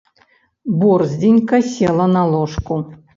Борздзенька села на ложку.